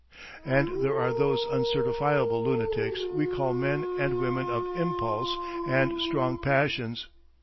And there are those uncertifiable lunatics we call men and women of "impulse" and "strong passions."